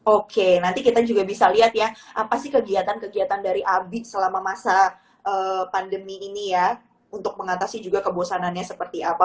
oke nanti kita juga bisa lihat ya apa sih kegiatan kegiatan dari abi selama masa pandemi ini ya untuk mengatasi juga kebosanannya seperti apa